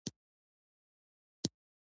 ژبه د پوهې آینه ده